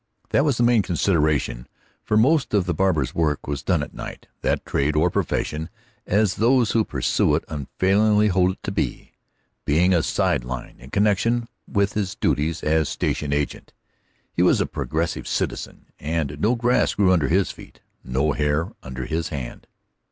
That was the main consideration, for most of the barber's work was done by night, that trade or profession, as those who pursue it unfailingly hold it to be being a side line in connection with his duties as station agent. He was a progressive citizen, and no grass grew under his feet, no hair under his hand.